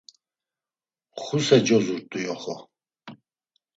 Xuse cozort̆u yoxo.